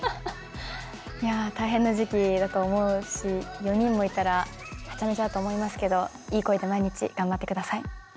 いやあ大変な時期だと思うし４人もいたらハチャメチャだと思いますけどいい声で毎日頑張ってください。